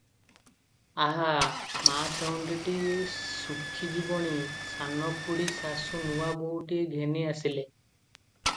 ଆହା! ମା ଛେଉଣ୍ତିଟି ଶୁଖିଯିବଣି!' ସାନ ଖୁଡ଼ୀ ଶାଶୁ ନୂଆ ବୋହୁଟିଏ ଘେନି ଆସିଲେ ।